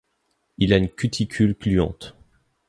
Il a une cuticule gluante.